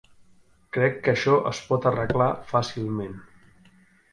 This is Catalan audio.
Crec que això es pot arreglar fàcilment.